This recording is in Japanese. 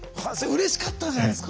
うれしかった。